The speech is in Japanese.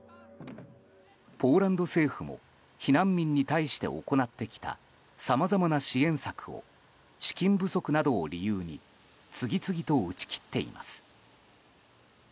ポーランド政府も避難民に対して行ってきたさまざまな支援策を資金不足などを理由に次々と打ち切っています。